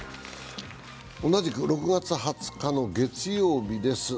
同じく６月２０日の月曜日です。